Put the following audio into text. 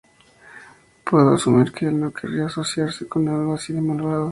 Puedo asumir que el no querría asociarse con algo así de malvado.